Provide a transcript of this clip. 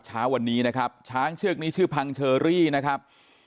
เช้าวันนี้นะครับช้างเชือกนี้ชื่อพังเชอรี่นะครับ